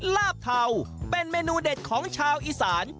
ลาบเทาเป็นเมนูเด็ดของชาวอีสาน